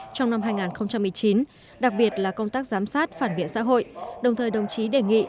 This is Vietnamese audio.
trong năm hai nghìn một mươi chín đặc biệt là công tác giám sát phản biện xã hội đồng thời đồng chí đề nghị